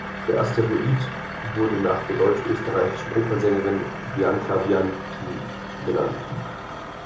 Der Asteroid wurde nach der deutsch-österreichischen Opernsängerin Bianca Bianchi benannt.